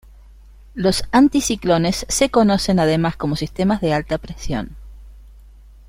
Los anticiclones se conocen además como sistemas de alta presión.